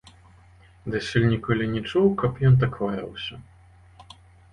Дасюль ніколі не чуў, каб ён так лаяўся.